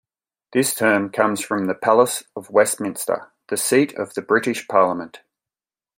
This term comes from the Palace of Westminster, the seat of the British parliament.